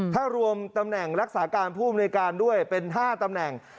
ถ้ารวมตำแหน่งรักษาการผู้อำนวยการด้วยเป็น๕ตำแหน่ง